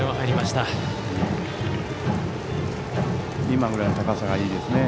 今ぐらいの高さがいいですね。